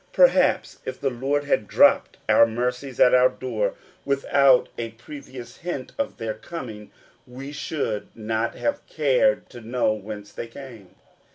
Perhaps if the Lord had dropped our mercies at our door without a previous hint of their coming, we should not have cared to know whence they came.